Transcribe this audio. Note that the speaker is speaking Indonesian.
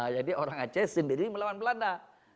jadi orang aceh sendiri melawan belanda